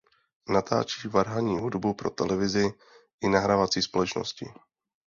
Natáčí varhanní hudbu pro televize i nahrávací společnosti.